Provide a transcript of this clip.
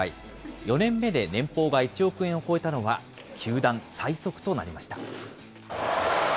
４年目で年俸が１億円を超えたのは球団最速となりました。